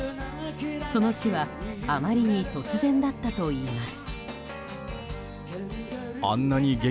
その死はあまりに突然だったといいます。